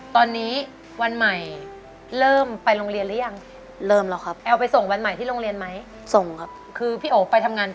ตอนนี้วันใหม่เริ่มไปโรงเรียนหรือยัง